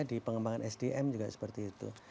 di pengembangan sdm juga seperti itu